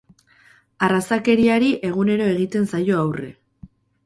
Arrazakeriari egunero egiten zaio aurre.